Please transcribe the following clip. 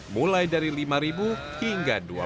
mulai dari lima hingga dua puluh